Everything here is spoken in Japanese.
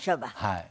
はい。